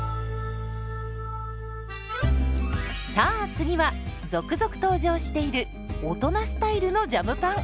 さあ次は続々登場している大人スタイルのジャムパン。